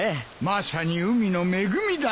まさに海の恵みだな。